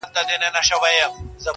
دا زخم تازه دی د خدنګ خبري نه کوو!!